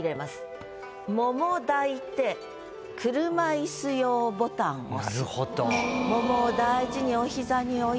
「桃抱いて車いす用ボタン押す」。